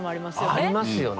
ありますよね。